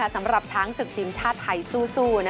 สำหรับช้างศึกทีมชาติไทยสู้